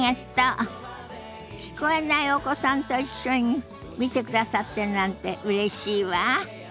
聞こえないお子さんと一緒に見てくださってるなんてうれしいわ。